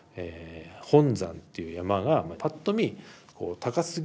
本山っていう山がぱっと見高すぎる。